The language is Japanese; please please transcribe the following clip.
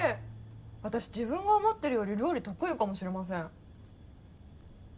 私自分が思ってるより料理得意かもしれません。